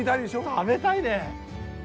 食べたいね。